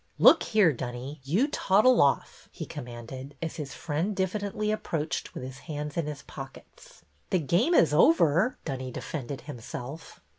Look here, Dunny, you toddle off," he commanded, as his friend diffidently approached with his hands in his pockets. The game is over," Dunny defended himself.